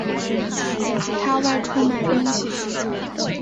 他外出买东西